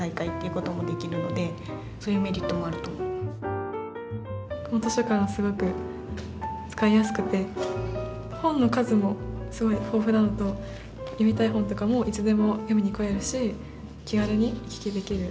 この図書館すごく使いやすくて本の数もすごい豊富なのと読みたい本とかもいつでも読みに来れるし気軽に行き来できる。